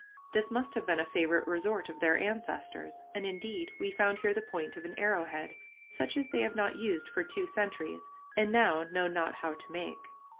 This must have been a favorite resort of their ancestors, and, indeed, we found here the point of an arrow head, such as they have not used for two centuries and now know not how to make.